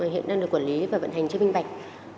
hiện đang được quản lý và vận hành chưa minh bạch